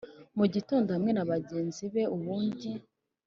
mugitondo hamwe na bagenzi be ubundi